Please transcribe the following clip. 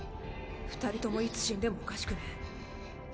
二人ともいつ死んでもおかしくねぇ。